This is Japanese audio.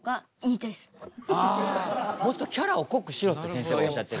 あもっとキャラを濃くしろってせんせいはおっしゃってる。